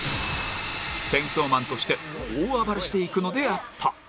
チェンソーマンとして大暴れしていくのであった